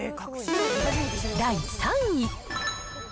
第３位。